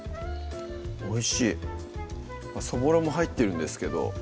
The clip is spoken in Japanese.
おいしいそぼろも入ってるんですけど